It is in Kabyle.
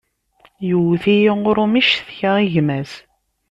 Yewwet-iyi urumi, ccektaɣ i gma-s.